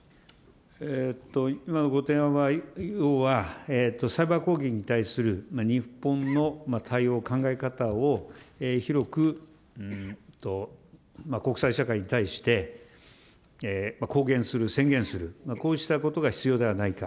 今のご提案は、要はサイバー攻撃に対する日本の対応の考え方を広く国際社会に対して公言する、宣言する、こうしたことが必要ではないか。